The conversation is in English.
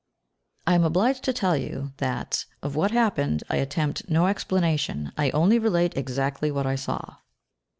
I am obliged to tell you that; of what happened I attempt no explanation, I only relate exactly what I saw.